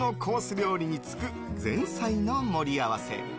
料理につく前菜の盛り合わせ。